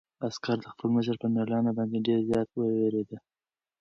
عسکر د خپل مشر په مېړانه باندې ډېر زیات وویاړېد.